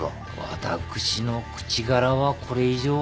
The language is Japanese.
私の口からはこれ以上は。